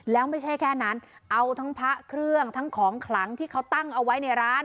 แล้วไม่ใช่แค่นั้นเอาทั้งพระเครื่องทั้งของขลังที่เขาตั้งเอาไว้ในร้าน